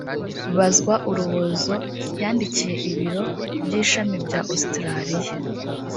bazwa urubozo yandikiye ibiro by ishami bya ositaraliya